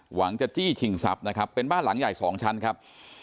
หวังจะจี้ชิงทรัพย์นะครับเป็นบ้านหลังใหญ่สองชั้นครับ